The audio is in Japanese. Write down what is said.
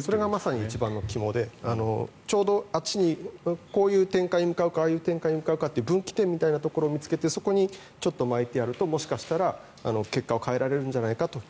それがまさに一番の肝でちょうどあっちにこういう展開に向かうかああいう展開に向かうかっていう分岐点みたいなところを見つけてそこにちょっとまいてやるともしかしたら結果を変えられるんじゃないかと。